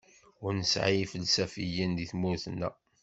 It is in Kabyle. Ur nesɛi ifelsafiyen deg tmurt-nneɣ.